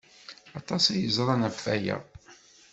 Aṭas ay ẓran ɣef waya.